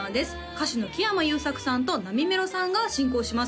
歌手の木山裕策さんとなみめろさんが進行します